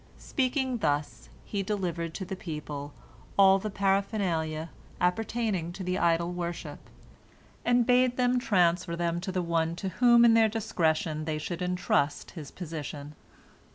Speaking thus, he delivered to the people all the paraphernalia appertaining to the idol worship, and bade them transfer them to the one to whom in their discretion they should entrust his position.